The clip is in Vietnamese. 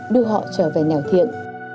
đưa họ trở về nhà thiện